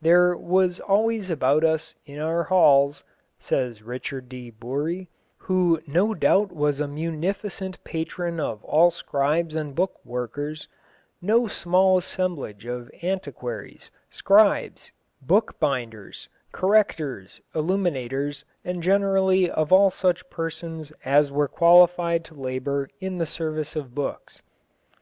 "There was always about us in our halls," says Richard de Bury, who no doubt was a munificent patron of all scribes and book workers, "no small assemblage of antiquaries, scribes, bookbinders, correctors, illuminators, and generally of all such persons as were qualified to labour in the service of books."